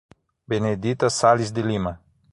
Benedita Sales de Lima